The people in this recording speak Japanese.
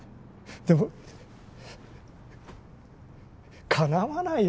でもかなわないよ